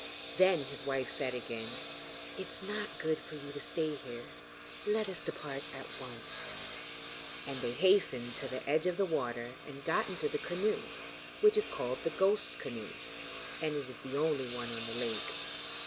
Then his wife said again: 'It is not good for you to stay here. Let us depart at once,' and they hastened to the edge of the water and got into the canoe, which is called the Ghost's Canoe, and is the only one on the lake.